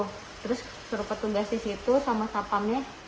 terus suruh petugas di situ sama sapamnya